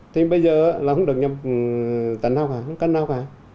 thì bây giờ là không được nhập tấn nào cả cân nào cả